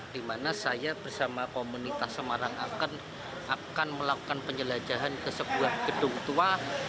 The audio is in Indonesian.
di mana saya bersama komunitas semarang akan melakukan penjelajahan ke sebuah gedung tua